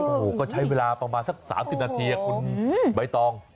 โอ้โหก็ใช้เวลาประมาณสัก๓๐นาทีคุณใบตอง